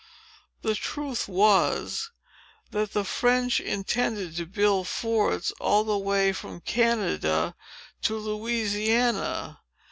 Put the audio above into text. The truth was, that the French intended to build forts, all the way from Canada to Louisiana.